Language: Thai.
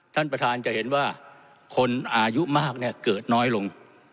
ท่านประธานจะเห็นว่าคนอายุมากเนี่ยเกิดน้อยลง